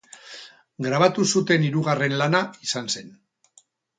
Grabatu zuten hirugarren lana izan zen.